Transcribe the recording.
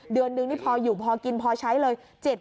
เดือนนึงนี่พออยู่พอกินพอใช้เลย